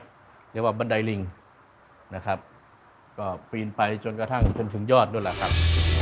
เรียกว่าบันไดลิงนะครับก็ปีนไปจนกระทั่งจนถึงยอดด้วยแหละครับ